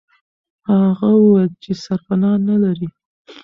هغه وویل چې سرپنا نه لري.